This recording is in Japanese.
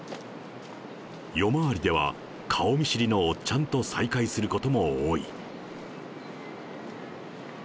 夜回りでは、顔見知りのおっちゃんと再会することも多い。